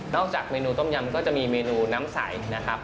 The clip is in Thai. จากเมนูต้มยำก็จะมีเมนูน้ำใสนะครับ